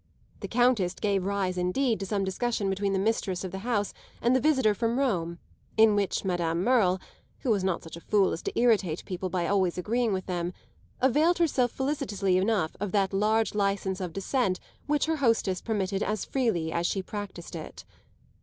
The Countess gave rise indeed to some discussion between the mistress of the house and the visitor from Rome, in which Madame Merle (who was not such a fool as to irritate people by always agreeing with them) availed herself felicitously enough of that large licence of dissent which her hostess permitted as freely as she practised it.